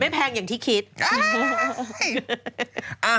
แพงอย่างที่คิด